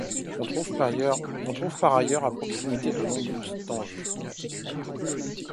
On trouve par ailleurs à proximité de nombreux tangues.